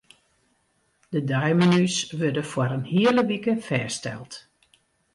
De deimenu's wurde foar in hiele wike fêststeld.